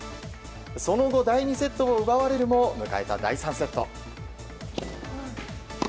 その後、第２セットを奪われるも迎えた第３セット。